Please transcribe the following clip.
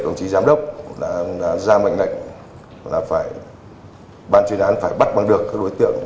đồng chí giám đốc đã ra mạnh lệnh là ban chuyên án phải bắt bắn được các đối tượng